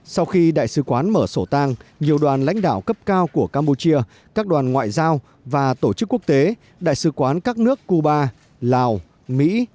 sau khi đại sứ quán mở sổ tang nhiều đoàn lãnh đạo cấp cao của campuchia các đoàn ngoại giao và tổ chức quốc tế đại sứ quán các nước cuba lào mỹ